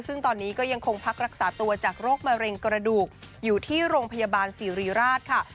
ซึ่งตอนนี้ก็ยังคงพักรักษาตัวจากโรคมะเร็งกระดูกอยู่ที่โรงพยาบาลสิริราชค่ะ